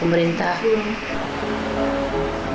yang berhubungan dengan pemerintah